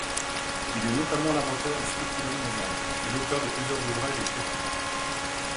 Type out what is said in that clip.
Il est notamment l'inventeur du spéculum nasal et l'auteur de plusieurs ouvrages et traités.